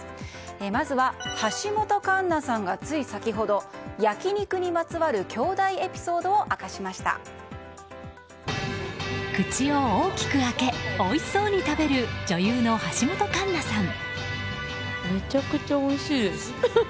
まずは、橋本環奈さんがつい先ほど焼肉にまつわるきょうだいエピソードを口を大きく開けおいしそうに食べる女優の橋本環奈さん。